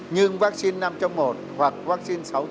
nhưng vaccine năm trong một hoặc là vaccine đơn giá thì nó rất là dễ